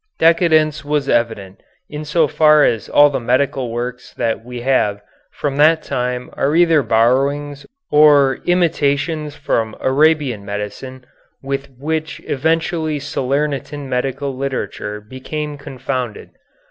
Decadence was evident in so far as all the medical works that we have from that time are either borrowings or imitations from Arabian medicine with which eventually Salernitan medical literature became confounded.